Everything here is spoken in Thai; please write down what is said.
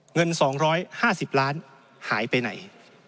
เงิน๒๕๐ล้านหายไปไหน